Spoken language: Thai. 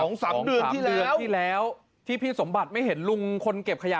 โอ้นี่แล้ว๒๓เดือนที่ร้าวที่แล้วที่พี่สมบัติไม่เห็นลุงคนเก็บขยะ